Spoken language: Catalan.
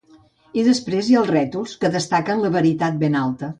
I després hi ha els rètols, que destaquen la veritat ben alta.